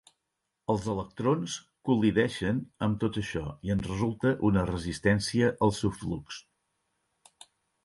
Els electrons col·lideixen amb tot això i en resulta una resistència al seu flux.